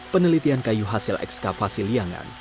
penelitian kayu hasil ekskavasi liangan